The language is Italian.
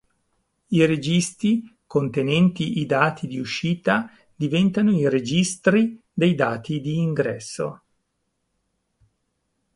I registi contenenti i dati di uscita diventano i registri dei dati di ingresso.